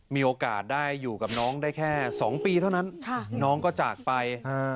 มีโอกาสได้อยู่กับน้องได้แค่๒ปีเท่านั้นน้องก็จากไป